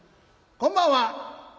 こんばんは」。